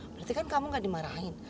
berarti kan kamu gak dimarahin